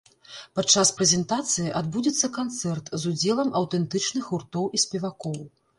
Падчас прэзентацыі адбудзецца канцэрт з удзелам аўтэнтычных гуртоў і спевакоў.